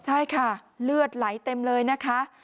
ใช่ค่ะเลือดไหลเต็มเลยนะคะ